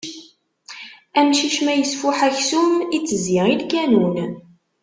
Amcic ma isfuḥ aksum, itezzi i lkanun.